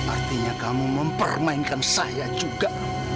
artinya kamu mempermainkan saya juga